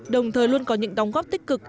đồng thời luôn có những đóng góp tích cực